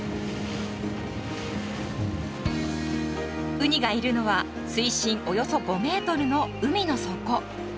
ウニがいるのは水深およそ５ｍの海の底。